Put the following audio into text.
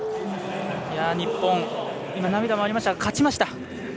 日本、涙もありましたが勝ちました。